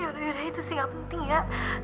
yaudah yaudah itu sih nggak penting ya